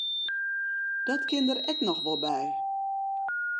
Dat kin der ek noch wol by.